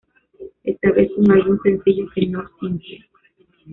Esta vez, un álbum sencillo, que no simple.